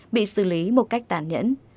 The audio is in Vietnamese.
bị xử lý một cách tàn nhẫn